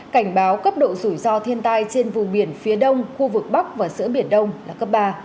cảnh báo cấp độ rủi ro thiên tai trên vùng biển phía đông khu vực bắc và giữa biển đông là cấp ba